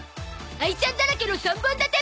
あいちゃんだらけの３本立て！